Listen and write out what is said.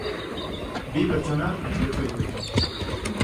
Bi pertsona atxilotu dituzte.